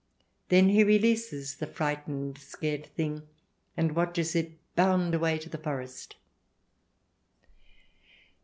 Then he releases the frightened, scared thing, and watches it bound away to the forest.